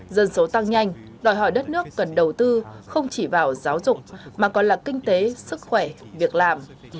dân số tăng nhanh đòi hỏi đất nước cần đầu tư không chỉ vào giáo dục mà còn là kinh tế sức khỏe việc làm